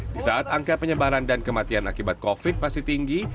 di saat angka penyebaran dan kematian akibat covid masih tinggi